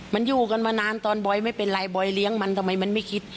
มันอยู่กันมานานตอนบอยไม่เป็นไรบอยเลี้ยงมันทำไมมันไม่คิด